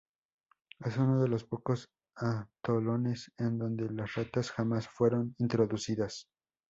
Es uno de los pocos atolones, en donde las ratas jamás fueron introducidas.